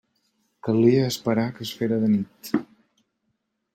Calia esperar que es fera de nit.